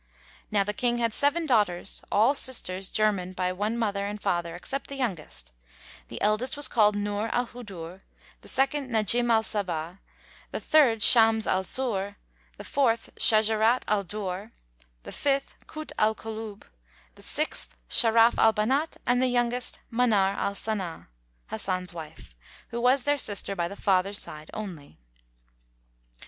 Now the King had seven daughters, all sisters german by one mother and father except the youngest: the eldest was called Núr al Hudŕ, the second Najm al Sabáh, the third Shams al Zuhŕ, the fourth Shajarat al Durr, the fifth Kút al Kulúb, the sixth Sharaf al Banát and the youngest Manar al Sana, Hasan's wife, who was their sister by the father's side only.